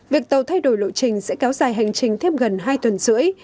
việc tàu thay đổi lộ trình sẽ kéo dài hành trình thêm gần hai tuần rưỡi